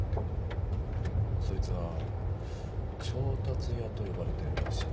そいつは調達屋と呼ばれてるらしい。